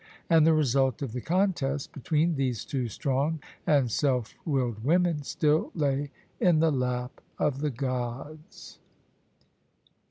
And the result of the contest be tween these two strong and self willed women still lay in the lap of the gods.